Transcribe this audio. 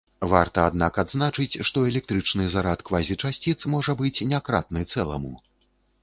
Варта, аднак, адзначыць, што электрычны зарад квазічасціц можа быць не кратны цэламу.